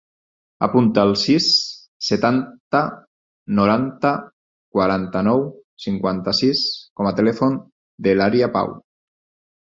Apunta el sis, setanta, noranta, quaranta-nou, cinquanta-sis com a telèfon de l'Arya Pau.